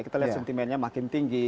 kita lihat sentimennya makin tinggi